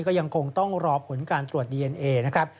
ก็ยังคงต้องรอผลการตรวจดีเอ็นเอนะครับ